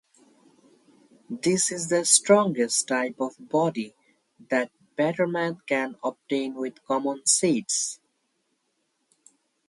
This is the strongest type of body that Betterman can obtain with common seeds.